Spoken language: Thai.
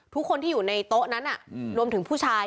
ทุกคนที่อยู่ในโต๊ะนั้นรวมถึงผู้ชาย